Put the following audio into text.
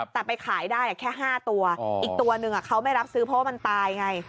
แต่ไปขายได้แค่๕ตัวอีกตัวนึงเขาไม่รับซื้อเพราะว่ามันตายไง